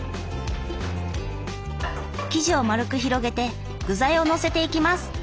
生地を丸く広げて具材をのせていきます。